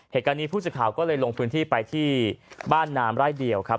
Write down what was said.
เหตุการณ์นี้ผู้สื่อข่าวก็เลยลงพื้นที่ไปที่บ้านนามไร่เดียวครับ